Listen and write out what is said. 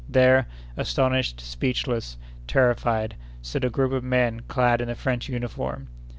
There, astonished, speechless, terrified, stood a group of men clad in the French uniform.